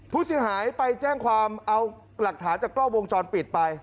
ผู้เสียหายไปแจ้งความเอาหลักฐานจากกล้องวงจรปิดไป